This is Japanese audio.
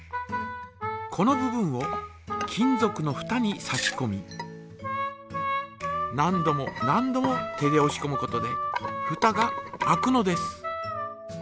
この部分を金ぞくのふたに差しこみ何度も何度も手でおしこむことでふたが開くのです。